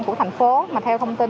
của thành phố mà theo thông tin